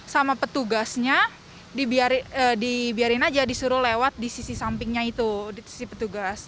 sama petugasnya dibiarin aja disuruh lewat di sisi sampingnya itu di sisi petugas